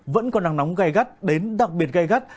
vẫn còn nắng nóng gây gắt đến đặc biệt gây gắt